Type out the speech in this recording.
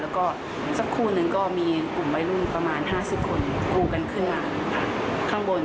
แล้วก็สักคู่หนึ่งก็มีกลุ่มวัยรุ่นประมาณ๕๐คนกรูกันขึ้นมาข้างบน